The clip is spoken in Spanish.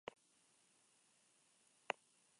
Cuando era niña, ella quería ser una maestra de escuela.